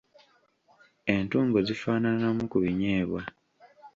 Entungo zifaananamu ku binyeebwa.